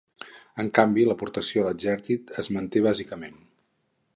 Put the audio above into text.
En canvi l'aportació a l'exèrcit es manté bàsicament.